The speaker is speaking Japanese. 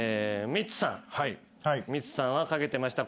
ミッツさんは書けてました。